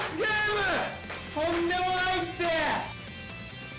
とんでもないって。